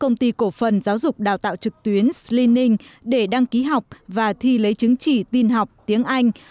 công ty cổ phần giáo dục đào tạo trực tuyến s lening để đăng ký học và thi lấy chứng chỉ tin học tiếng anh